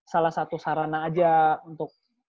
salah satu sarana aja untuk saluran hobi